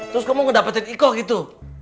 terus kamu ngedapetin iko gitu